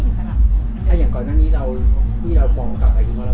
เพราะว่าอย่างก่อนหน้านี้พี่เราฟองกับอะไรอย่างนี้